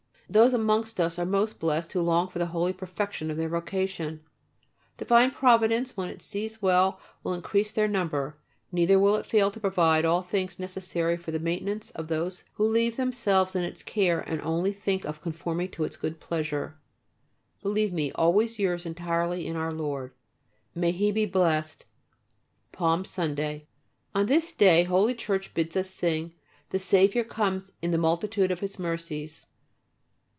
Those amongst us are most blessed who long for the holy perfection of their vocation. Divine Providence when it sees well will increase their number, neither will it fail to provide all things necessary for the maintenance of those who leave themselves in its care and only think of conforming to its good pleasure. Believe me, always yours entirely in our Lord. May He be blessed. Palm Sunday. On this day Holy Church bids us sing, "The Saviour comes in the multitude of His mercies."